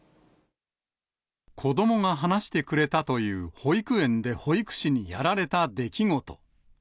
子どもが話してくれたという保育園で保育士にやられた出来事。